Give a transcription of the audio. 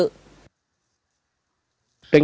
trên cái gì